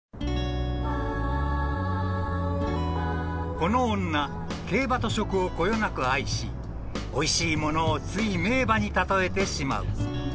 ［この女競馬と食をこよなく愛しおいしい物をつい名馬に例えてしまう］